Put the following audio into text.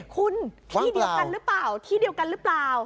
คุณที่เดียวกันหรือเปล่า